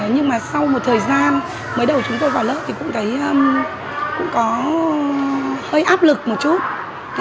nhưng mà sau một thời gian mới đầu chúng tôi vào lớp thì cũng thấy cũng có hơi áp lực một chút